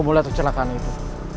aku mulai tercelakaan itu